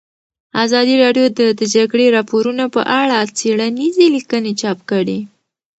ازادي راډیو د د جګړې راپورونه په اړه څېړنیزې لیکنې چاپ کړي.